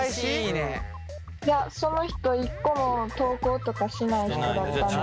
いやその人一個も投稿とかしない人だったので。